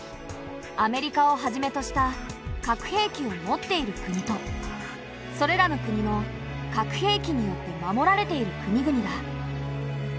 アメリカをはじめとした核兵器を持っている国とそれらの国の核兵器によって守られている国々だ。